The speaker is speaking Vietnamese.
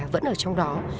vẫn ở trong đó